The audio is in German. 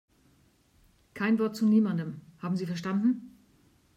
Kein Wort zu niemandem, haben Sie verstanden?